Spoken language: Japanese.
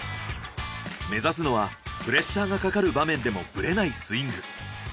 目指すのはプレッシャーがかかる場面でもブレないスイング。